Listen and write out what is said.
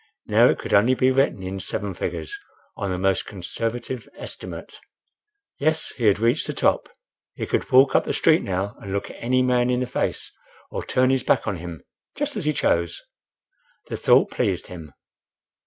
Now it could only be written in seven figures, "on the most conservative estimate." Yes, he had reached the top. He could walk up the street now and look any man in the face, or turn his back on him, just as he chose. The thought pleased him.